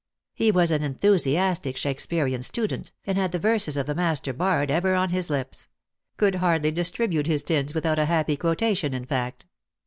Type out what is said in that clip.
He was an enthusiastic Shakespearian student, and had the verses of the master bard ever on his lips — could hardly distribute his tins without a happy quotation, in fact.